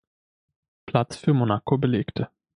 Platz für Monaco belegte.